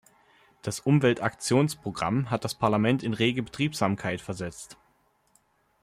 Das Umweltaktionsprogramm hat das Parlament in rege Betriebsamkeit versetzt.